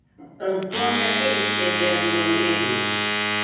Antônia Texeira de Louredo